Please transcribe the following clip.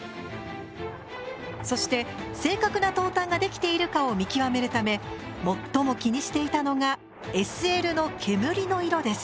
そして正確な投炭ができているかを見極めるため最も気にしていたのがＳＬの煙の色です。